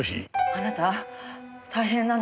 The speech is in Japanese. あなた大変なの。